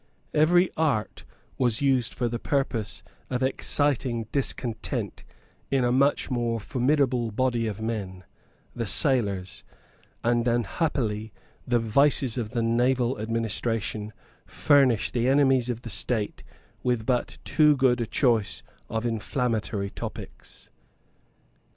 Every art was used for the purpose of exciting discontent in a much more formidable body of men, the sailors; and unhappily the vices of the naval administration furnished the enemies of the State with but too good a choice of inflammatory topics.